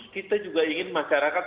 kita juga ingin masyarakat